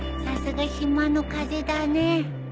さすが島の風だね。